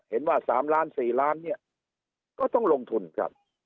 เห็นว่า๓ล้าน๔ล้านเนี่ยก็ต้องลงทุนครับ